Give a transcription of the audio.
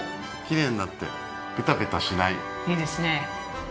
いいですね。